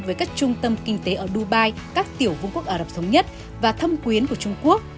với các trung tâm kinh tế ở dubai các tiểu vương quốc ả rập thống nhất và thâm quyến của trung quốc